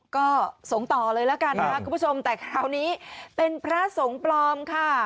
ก็สงฆ์ต่อเลยแล้วกันนะครับคุณผู้ชมแต่คราวนี้เป็นพระสงฆ์ปลอมค่ะ